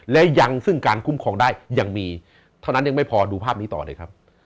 และยังซึ่งการคุ้มครองได้ยังมีเท่านั้นยังไม่พอดูภาพนี้ต่อเลยครับ